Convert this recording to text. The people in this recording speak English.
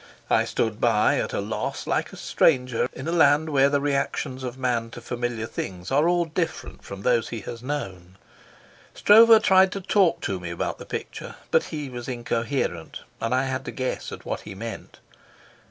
I stood by, at a loss, like a stranger in a land where the reactions of man to familiar things are all different from those he has known. Stroeve tried to talk to me about the picture, but he was incoherent, and I had to guess at what he meant.